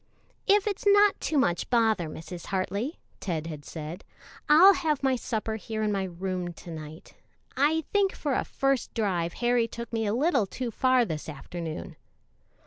"If it's not too much bother, Mrs. Hartley," Ted had said, "I'll have my supper here in my room to night. I think for a first drive Harry took me a little too far this afternoon."